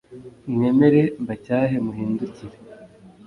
Mwemere mbacyahe muhindukire